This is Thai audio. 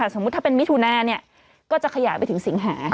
สมมุติถ้าเป็นมิถุนาก็จะขยายไปถึงสิงหา